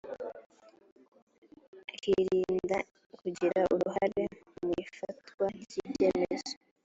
akirinda kugira uruhare mu ifatwa ry’ ibyemezo